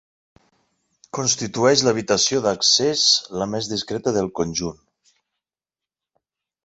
Constitueix l'habitació d'accés la més discreta del conjunt.